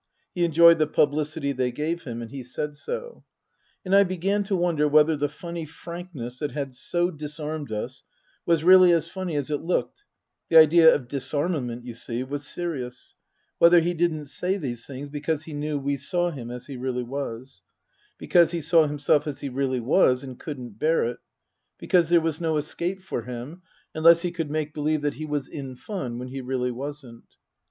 He enjoyed the publicity they gave him, and he said so. And I began to wonder whether the funny frankness that had so disarmed us was really as funny as it looked (the idea of disarmament, you see, was serious), whether he didn't say these things because he knew we saw him as he really was ; because he saw himself as he really was, and couldn't bear it ; because there was no escape for him unless he could make believe that he was in fun when he really wasn't.